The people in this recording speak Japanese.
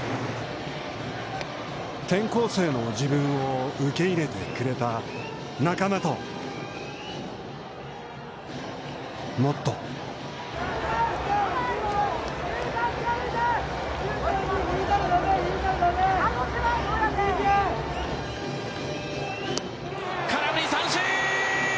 転校生の自分を受け入れてくれた仲間ともっと空振り三振！